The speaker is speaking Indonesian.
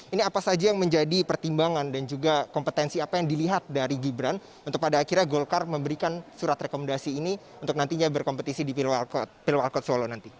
ini apa saja yang menjadi pertimbangan dan juga kompetensi apa yang dilihat dari gibran untuk pada akhirnya golkar memberikan surat rekomendasi ini untuk nantinya berkompetisi di pilwalkot solo nanti